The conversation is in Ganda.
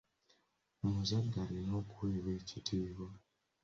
Omuzadde alina okuweebwa ekitiibwa.